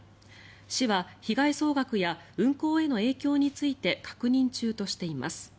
市は、被害総額や運行への影響について確認中としています。